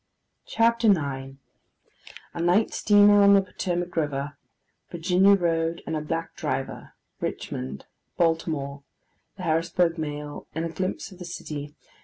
CHAPTER IX A NIGHT STEAMER ON THE POTOMAC RIVER. VIRGINIA ROAD, AND A BLACK DRIVER. RICHMOND. BALTIMORE. THE HARRISBURG MAIL, AND A GLIMPSE OF THE CITY.